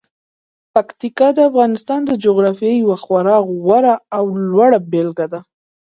پکتیکا د افغانستان د جغرافیې یوه خورا غوره او لوړه بېلګه ده.